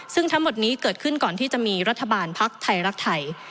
ซึ่งทั้งหมดนี้เกิดขึ้นก่อนที่จะมีรัฐบาลภักดิ์ไทยรักไทย